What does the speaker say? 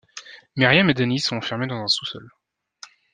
Miriam et Danny sont enfermés dans un sous-sol.